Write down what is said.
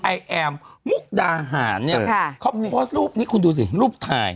ไอแอมมุกดาหารเนี่ยเขาโพสต์รูปนี้คุณดูสิรูปถ่าย